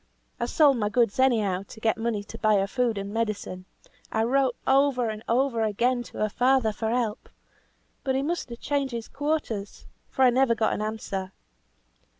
I sold my goods any how to get money to buy her food and medicine; I wrote over and over again to her father for help, but he must have changed his quarters, for I never got an answer.